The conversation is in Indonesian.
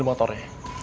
kamu mau pergi